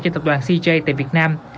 cho tập đoàn cj tại việt nam